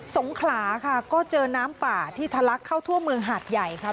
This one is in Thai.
งขลาค่ะก็เจอน้ำป่าที่ทะลักเข้าทั่วเมืองหาดใหญ่ค่ะ